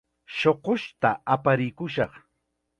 Shuqushta aparikushaq.